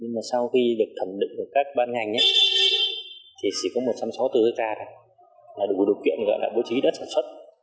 nhưng mà sau khi được thẩm định của các ban ngành thì chỉ có một trăm sáu mươi bốn hectare là đủ điều kiện gọi là bố trí đất sản xuất